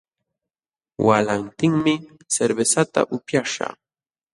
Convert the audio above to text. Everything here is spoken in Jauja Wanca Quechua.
Walantinmi cervezata upyaśhaq